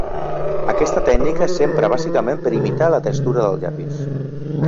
Aquesta tècnica s'empra bàsicament per a imitar la textura del llapis.